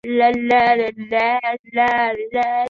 卡赫和布拉瑟姆合并而来。